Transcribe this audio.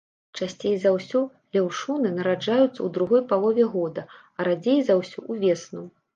Часцей за ўсё леўшуны нараджаюцца ў другой палове года, а радзей за ўсё ўвесну.